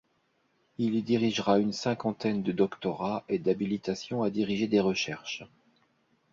Il y dirigera une cinquantaine de doctorats et d’habilitations à diriger des recherches.